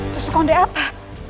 tusuk konde apa